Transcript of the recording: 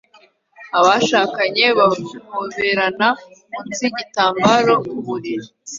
Abashakanye bahoberana munsi yigitambaro ku buriri